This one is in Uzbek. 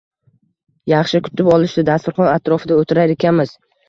Yaxshi kutib olishdi dasturxon atrofida oʻtirar ekanmiz